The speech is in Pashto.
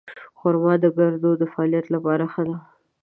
خرما د ګردو د فعالیت لپاره ښه ده.